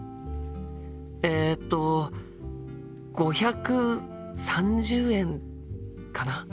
えっと５３０円かな？